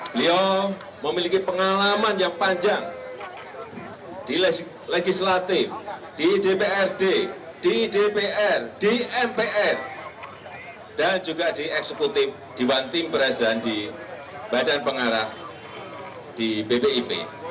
beliau memiliki pengalaman yang panjang di legislatif di dprd di dpr di mpr dan juga di eksekutif di one team press dan di badan pengarah di bpip